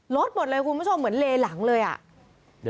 รถหมดเลยคุณผู้ชมเหมือนเลหลังเลยอ่ะ